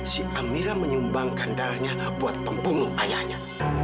si amira menyumbangkan darahnya buat pembunuh ayahnya